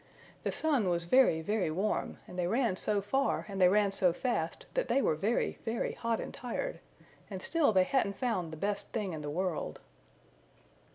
The sun was very, very warm and they ran so far and they ran so fast that they were very, very hot and tired, and still they hadn't found the Best Thing in the World.